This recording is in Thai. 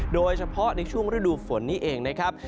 โดยเฉพาะในช่วงฤดูฝนนี้เองนะครับ